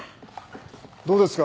どうですか？